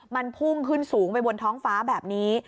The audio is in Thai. มันพุ่งขึ้นสูงไปบนท้องฟ้าแบบนี้